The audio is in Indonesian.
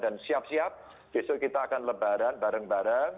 dan siap siap besok kita akan lebaran bareng bareng